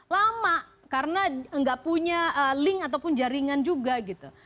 lama karena nggak punya link ataupun jaringan juga gitu